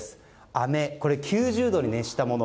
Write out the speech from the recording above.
あめ、９０度に熱したもの。